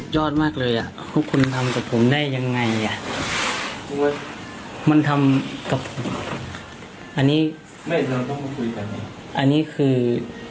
ยอดมากเลยอะพวกคุณทำกับผมได้ยังไงมันทำกับอันนี้อันนี้คือ